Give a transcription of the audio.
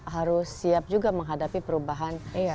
harus siap juga menghadapi perubahan